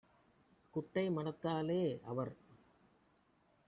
குட்டை மனத்தாலே - அவர்